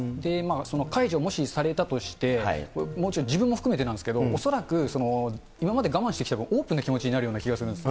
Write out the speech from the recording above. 解除、もしされたとして、もうちょい、自分も含めてなんですけれども、恐らく、今まで我慢してきたからオープンな気持ちになるような気がするんです。